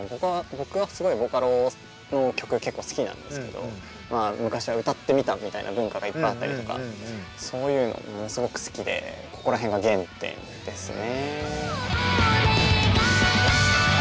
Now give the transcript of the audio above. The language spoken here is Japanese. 僕はすごいボカロの曲結構好きなんですけどまあ昔は歌ってみたみたいな文化がいっぱいあったりとかそういうのものすごく好きでここら辺が原点ですね。